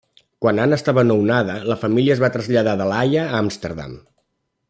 Quan Anna estava nounada la família es va traslladar de La Haia a Amsterdam.